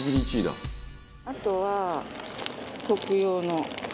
あとは徳用の。